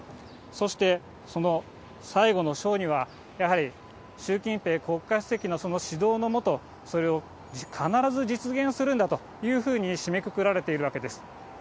そして、その最後の章には、やはり習近平国家主席のその指導の下、それを必ず実現するんだというふうに締めくくられているわけです。